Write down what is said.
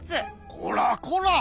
こらこら！